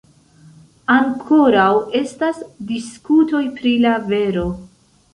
Ankoraŭ estas diskutoj pri la vero.